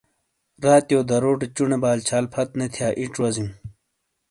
راتیو دروٹے چونے بال چھال پھت نے تھیا ایچ وازیو۔